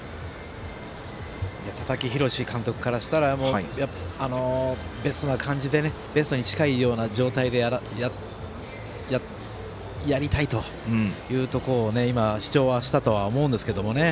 佐々木洋監督からしたらベストに近いような状態でやりたいというところを主張はしたと思うんですけどね。